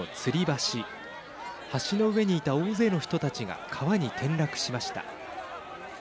橋の上にいた大勢の人たちが川に転落しました。